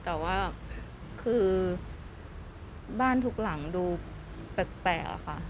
แต่ว่าคือบ้านทุกหลังดูแปลกอะค่ะ